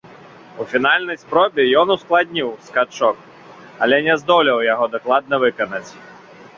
У фінальнай спробе ён ускладніў скачок, але не здолеў яго дакладна выканаць.